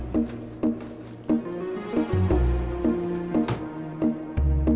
mas ada durinya hati hati